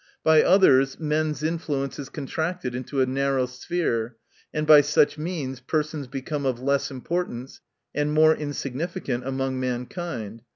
— By others, men's influence is contracted into a narrow sphere, and by such means persons become of less importance, and more insignificant among mankind.